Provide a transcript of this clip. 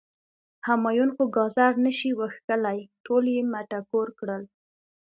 همایون خو ګازر نه شي وښکلی، ټول یی مټکور کړل.